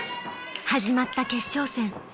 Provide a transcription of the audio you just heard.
［始まった決勝戦。